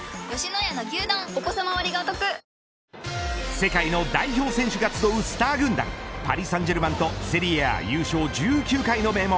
世界の代表選手が集うスター軍団パリ・サンジェルマンとセリエＡ優勝１９回の名門